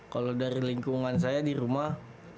kalau dari lingkungan saya di rumah